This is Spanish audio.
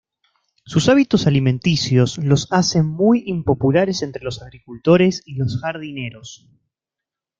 Sus hábitos alimenticios los hacen muy impopulares entre los agricultores y los jardineros.